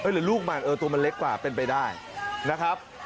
หรือลูกมันตัวมันเล็กกว่าเป็นไปได้นะครับ